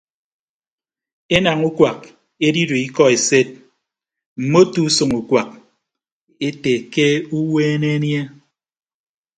Enañ ukuak edido ikọ esed mmoto usʌñ ukuak ete ke uweene anie.